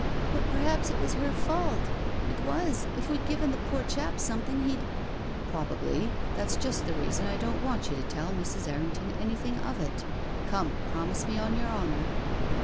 " But perhaps it was her fault ; it was — if we'd given the poor chap something he'd "" Probably. That's just the reason I don't want you to tell Mrs. Errington anything of it. Come, promise me on your honour.''